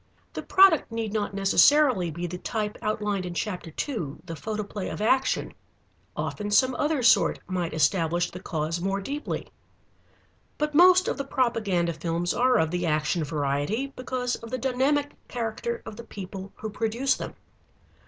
The product need not necessarily be the type outlined in chapter two, The Photoplay of Action. Often some other sort might establish the cause more deeply. But most of the propaganda films are of the action variety, because of the dynamic character of the people who produce them.